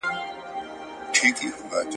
• دنيا دوې ورځي ده.